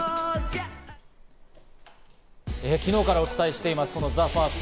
昨日からお伝えしています、ＴＨＥＦＩＲＳＴ。